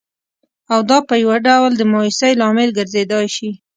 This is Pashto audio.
او دا په یوه ډول د مایوسۍ لامل ګرځېدای شي